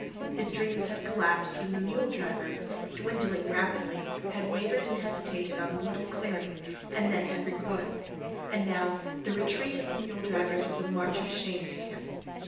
His dreams had collapsed when the mule drivers, dwindling rapidly, had wavered and hesitated on the little clearing, and then had recoiled. And now the retreat of the mule drivers was a march of shame to him.